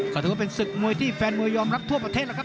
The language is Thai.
ก็ถือว่าเป็นศึกมวยที่แฟนมวยยอมรับทั่วประเทศแล้วครับ